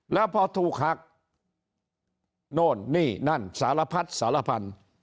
แล้วพอถูกหักโน่นนี่นั่นสารพัดสารพันธุ์